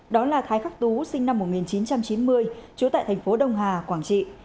đó là thái khắc tú sinh năm một nghìn chín trăm chín mươi trú tại thành phố đông hà quảng trị